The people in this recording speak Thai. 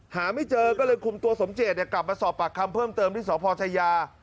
หาไม่เจอก็เลยคุมตัวสมเจตกลับมาสอบปากคำเพิ่มเติมที่สพชายา